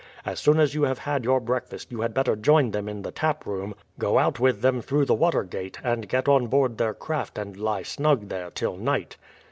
As soon as you have had your breakfast you had better join them in the tap room, go out with them through the watergate, and get on board their craft and lie snug there till night."